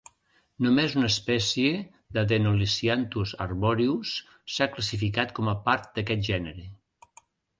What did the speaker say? Només una espècie, l'Adenolisianthus arboreus, s'ha classificat com a part d'aquest gènere.